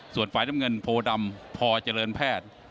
ส่วนฝ่ายน้ำเงินโพดำพอเจริญแพทย์